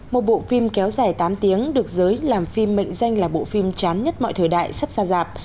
một bộ phim kéo dài tám tiếng được giới làm phim mệnh danh là bộ phim chán nhất mọi thời đại sắp ra dạp